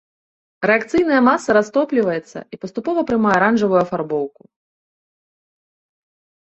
Рэакцыйная маса растопліваецца і паступова прымае аранжавую афарбоўку.